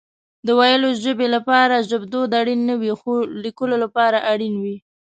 د ويلو ژبه لپاره ژبدود اړين نه وي خو ليکلو لپاره اړين وي